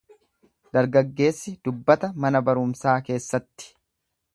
Dargaggeessi dubbata mana barumsaa keessatti.